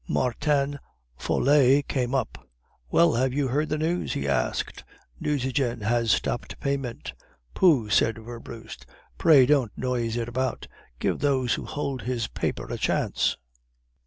"Martin Falleix came up. 'Well, have you heard the news?' he asked. 'Nucingen has stopped payment.' "'Pooh,' said Werbrust, 'pray don't noise it about; give those that hold his paper a chance.